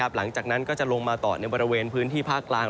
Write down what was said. หลังจากนั้นก็จะลงมาต่อในบริเวณพื้นที่ภาคกลาง